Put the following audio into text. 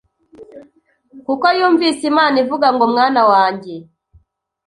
kuko yumvise Imana ivuga ngo Mwana wanjye